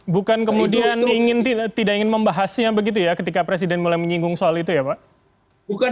bukan kemudian tidak ingin membahasnya begitu ya ketika presiden mulai menyinggung soal itu ya pak